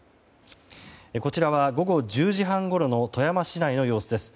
こちらは午後１０時半ごろの富山市内の様子です。